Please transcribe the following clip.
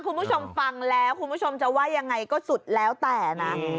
คุณผู้ชมฟังแล้วคุณผู้ชมจะว่ายังไงก็สุดแล้วแต่นะ